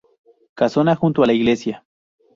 Casona junto a la iglesia.